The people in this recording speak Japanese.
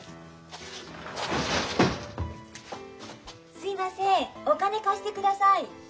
すいませんお金貸してください。